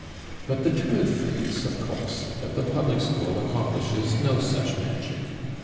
But the truth is, of course, that the public school accomplishes no such magic.